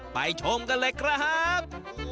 ชมกันเลยครับ